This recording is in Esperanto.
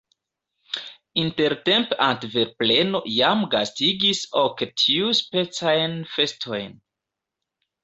Intertempe Antverpeno jam gastigis ok tiuspecajn festojn.